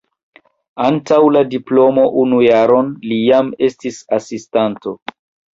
Antaŭ la diplomo unu jaron li jam estis asistanto.